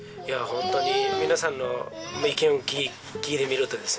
ホントに皆さんの意見を聞いてみるとですね